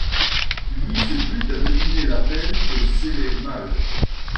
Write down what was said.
Lui se plut à deviner la peine qu'elle célait mal.